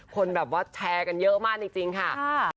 คนแบบว่าแชร์กันเยอะมากจริงค่ะ